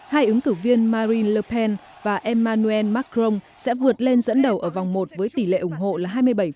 hai ứng cử viên marine le pen và emmanuel macron sẽ vượt lên dẫn đầu ở vòng một với tỷ lệ ủng hộ là hai mươi bảy